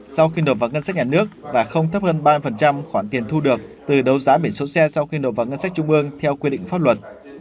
sau khi nộp vào ngân sách nhà nước và không thấp hơn ba khoản tiền thu được từ đấu giá biển số xe sau khi nộp vào ngân sách trung ương theo quy định pháp luật